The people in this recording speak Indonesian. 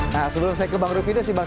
nah sebelum saya kebangunan video sih bang